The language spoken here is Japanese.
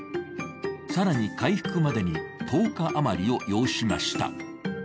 更に回復までに１０日余りを要しました。